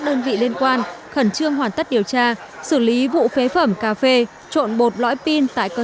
đơn vị liên quan khẩn trương hoàn tất điều tra xử lý vụ phế phẩm cà phê trộn bột lõi pin tại cơ